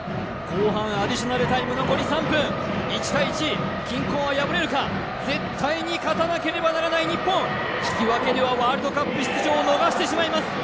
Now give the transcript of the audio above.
後半アディショナルタイム残り３分１対１均衡は破れるか絶対に勝たなければならない日本引き分けではワールドカップ出場を逃してしまいます